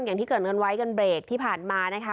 อย่างที่เกิดเงินไว้กันเบรกที่ผ่านมานะคะ